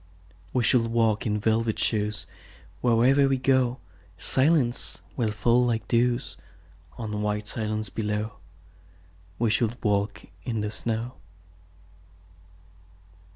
We shall walk in velvet shoes: Wherever we go Silence will fall like dews On white silence below. We shall walk in the snow.